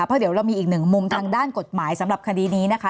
เพราะเดี๋ยวเรามีอีกหนึ่งมุมทางด้านกฎหมายสำหรับคดีนี้นะคะ